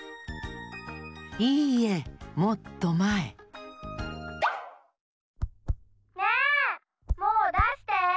いいえもっとまえねえもうだして。